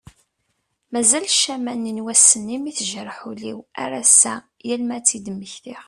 Mazal ccama n wass-nni mi tejreḥ ul-iw ar ass-a yal mi ad d-mmektiɣ.